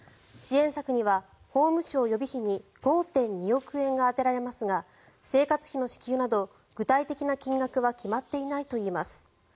支援策には法務省予備費の５．２億円が充てられますが生活費の支給など具体的な金額は決まっていないといいます。